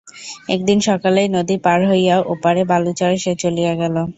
একদিন সকালেই নদী পার হইয়া ওপারে বালুচরে সে চলিয়া গেল।